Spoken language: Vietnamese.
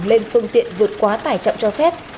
lên phương tiện vượt quá tải trọng cho phép